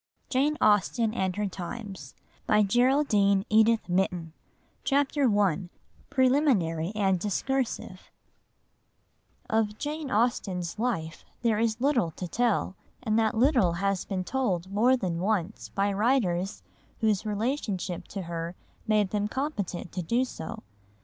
JANE AUSTEN AND HER TIMES CHAPTER I PRELIMINARY AND DISCURSIVE Of Jane Austen's life there is little to tell, and that little has been told more than once by writers whose relationship to her made them competent to do so.